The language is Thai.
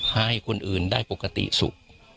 ให้คนอื่นได้ปกติสุข